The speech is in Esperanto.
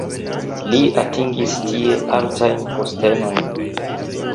Li atingis tie altajn postenojn.